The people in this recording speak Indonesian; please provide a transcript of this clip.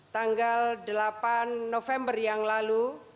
tanggal delapan november yang lalu